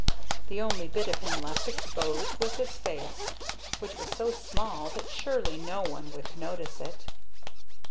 The only bit of him left exposed was his face, which was so small that surely no one would notice it.